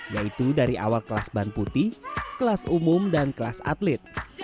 yaitu dari awal kelas ban putih kelas umum dan kelas atlet